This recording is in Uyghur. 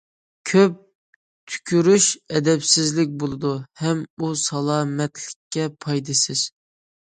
كۆپ تۈكۈرۈش ئەدەپسىزلىك بولىدۇ ھەم ئۇ سالامەتلىككە پايدىسىز.